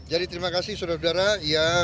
jadi terima kasih saudara saudara